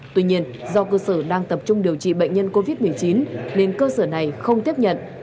tuy nhiên do cơ sở đang tập trung điều trị bệnh nhân covid một mươi chín nên cơ sở này không tiếp nhận